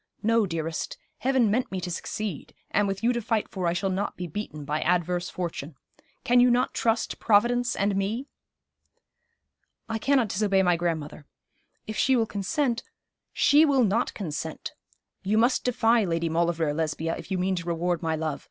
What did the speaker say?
'No, dearest; Heaven meant me to succeed; and with you to fight for I shall not be beaten by adverse fortune. Can you not trust Providence and me?' 'I cannot disobey my grandmother. If she will consent ' 'She will not consent. You must defy Lady Maulevrier, Lesbia, if you mean to reward my love.